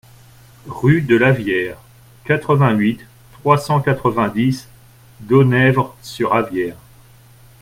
Rue de l'Avière, quatre-vingt-huit, trois cent quatre-vingt-dix Domèvre-sur-Avière